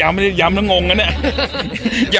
ยำมันได้โง่งกันนะ